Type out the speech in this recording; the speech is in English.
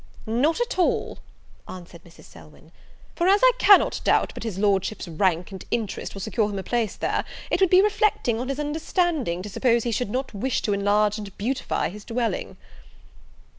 "Not at all," answered Mrs. Selwyn; "for as I cannot doubt but his Lordship's rank and interest will secure him a place there, it would be reflecting on his understanding, to suppose he should not wish to enlarge and beautify his dwelling."